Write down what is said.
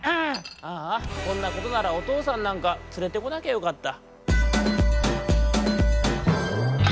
「あぁこんなことならおとうさんなんかつれてこなきゃよかった」。